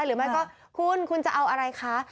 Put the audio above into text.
หรือไม่ก็คุณคุณจะเอาอะไรคะ